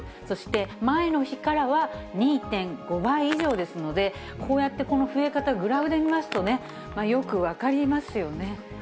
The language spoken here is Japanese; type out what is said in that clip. そして、前の日からは２．５倍以上ですので、こうやってこの増え方、グラフで見ますとね、よく分かりますよね。